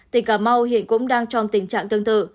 tỉnh cà mau hiện cũng đang trong tình trạng tương tự